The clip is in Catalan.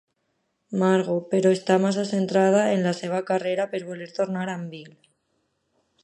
Margo, però, està massa centrada en la seva carrera per voler tornar amb Bill.